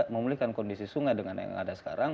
atau memilihkan kondisi sungai dengan yang ada sekarang